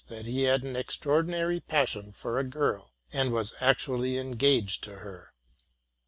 143 that he had an extraordinary passion for a girl, and was actually engaged to her.